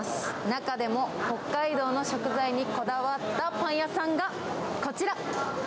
中でも北海道の食材にこだわったパン屋さんがこちら。